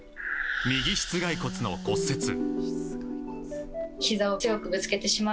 右膝蓋骨の骨折。